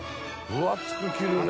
分厚く切るね。